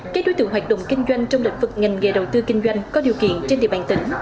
các đối tượng hoạt động kinh doanh trong lĩnh vực ngành nghề đầu tư kinh doanh có điều kiện trên địa bàn tỉnh